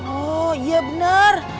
oh iya benar